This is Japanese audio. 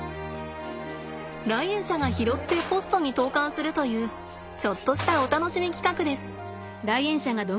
来園者が拾ってポストに投かんするというちょっとしたお楽しみ企画です。